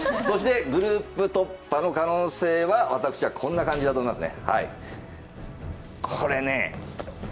そしてグループ突破の可能性は私はこんな感じだと思いますね。